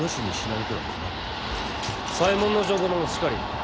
左衛門尉殿もしかり。